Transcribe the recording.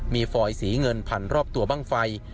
มีฟอยสีเงินพันรอบตัวบ้างไฟ